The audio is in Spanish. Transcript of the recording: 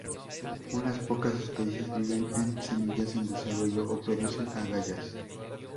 Unas pocas especies viven en semillas en desarrollo, o producen agallas.